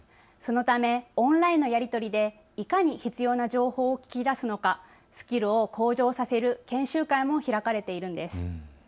そのためオンラインのやり取りでいかに必要な情報を聞き出すのかスキルを向上させる研修会も開かれているんです。